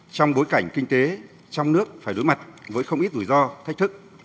trong bối cảnh kinh tế trong nước phải đối mặt với không ít rủi ro thách thức